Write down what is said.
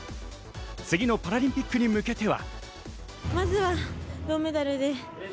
次のパラリンピックに向けては。